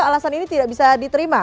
alasan ini tidak bisa diterima